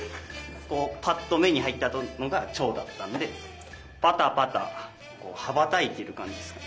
こうぱっと目に入ったのがチョウだったんで「ぱたぱた」はばたいてるかんじですかね。